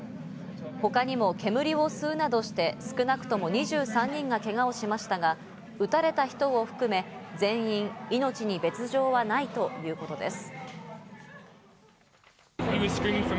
他にも煙を吸うなどして少なくとも２３人がけがをしましたが、撃たれた人を含め、全員、命に別条はないということです。